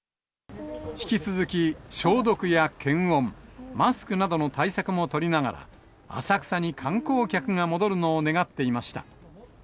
引き続き、消毒や検温、マスクなどの対策も取りながら、浅草に観光客が戻るのを願っていました。